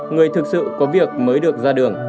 người thực sự có việc mới được ra đường